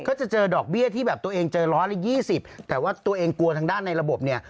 ก็จะเจอดอกเบี้ยที่แบบตัวเองเจอร้อยละยี่สิบแต่ว่าตัวเองกลัวทางด้านในระบบเนี่ย